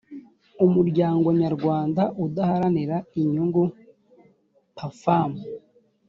umuryango nyarwanda udaharanira inyungu pfam